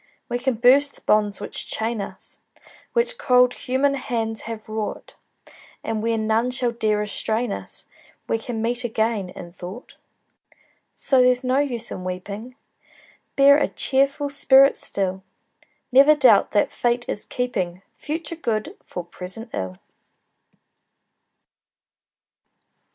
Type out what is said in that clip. We can burst the bonds which chain us, Which cold human hands have wrought, And where none shall dare restrain us We can meet again, in thought. So there's no use in weeping, Bear a cheerful spirit still; Never doubt that Fate is keeping Future good for present ill!